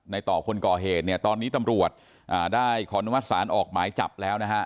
ในต่อคนก่อเหตุเนี่ยตอนนี้ตำรวจได้ข้อนวังศาสน์ออกหมายจับแล้วนะครับ